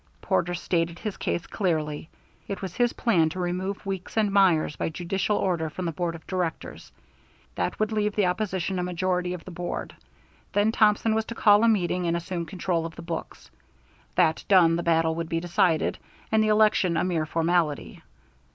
Porter stated his case clearly. It was his plan to remove Weeks and Myers by judicial order from the Board of Directors. That would leave the opposition a majority of the board. Then Thompson was to call a meeting and assume control of the books. That done, the battle would be decided, and the election a mere formality.